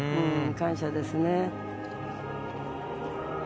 感謝ですね。